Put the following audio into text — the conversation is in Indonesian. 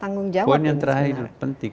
tanggung jawab itu sebenarnya